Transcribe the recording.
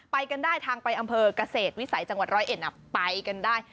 ไปกันได้ทางไปอำเภอกเกษตรวิสัยจังหวัดร้อยเอ็ดไปกันได้